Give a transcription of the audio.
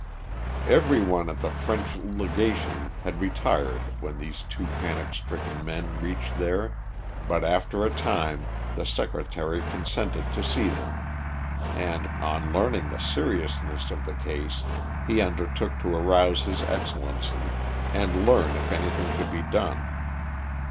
Every one at the French Legation had retired when these two panic stricken men reached there, but after a time the secretary consented to see them, and, on learning the seriousness of the case, he undertook to arouse his Excellency, and learn if anything could be done.